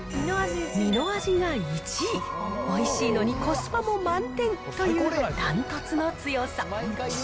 身の味が１位、おいしいのにコスパも満点という、断トツの強さ。